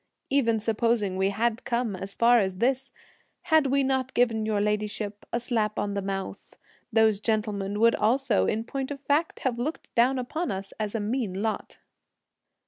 Even supposing we had come as far as this, had we not given your ladyship a slap on the mouth, those gentlemen would also, in point of fact, have looked down upon us as a mean lot."